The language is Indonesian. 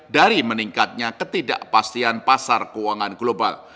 dari meningkatnya ketidakpastian pasar keuangan global